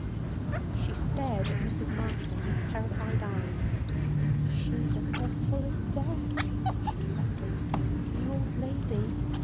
She stared at Mrs. Marston with terrified eyes. 'She's as awful as death,' she said, 'the old lady.